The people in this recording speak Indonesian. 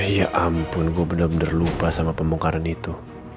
ya ampun gue bener bener lupa sama pemongkaran itu